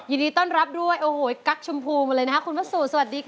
ยินดีต้อนรับด้วยโอ้โหกั๊กชมพูมาเลยนะคะคุณวัสสุสวัสดีค่ะ